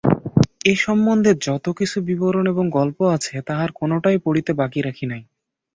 এ সম্বন্ধে যতকিছু বিবরণ এবং গল্প আছে তাহার কোনোটাই পড়িতে বাকি রাখি নাই।